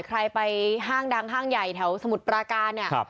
ใครไปห้างดังห้างใหญ่แถวสมุทรปราการเนี่ย